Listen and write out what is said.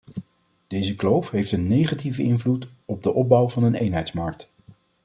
Deze kloof heeft een negatieve invloed op de opbouw van een eenheidsmarkt.